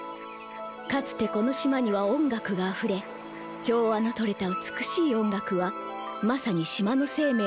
かつてこの島には音楽があふれ調和のとれた美しい音楽はまさに島の生命の源であった。